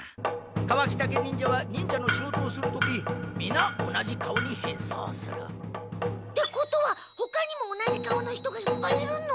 カワキタケ忍者は忍者の仕事をする時みな同じ顔に変装する。ってことはほかにも同じ顔の人がいっぱいいるの？